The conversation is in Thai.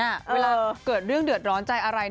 เวลาเกิดเรื่องเดือดร้อนใจอะไร